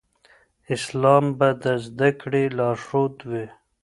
اسلام به د زده کړې لارښود وي.